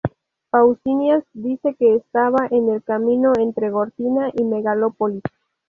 Pausanias dice que estaba en el camino entre Gortina y Megalópolis.